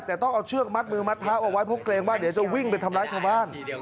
แต่ต้องเอาเชือกมัดมือมัดเท้าเอาไว้เพราะเกรงว่าเดี๋ยวจะวิ่งไปทำร้ายชาวบ้าน